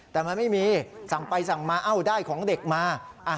แต่มันไม่มีสั่งไปสั่งมาเอ้าได้ของเด็กมา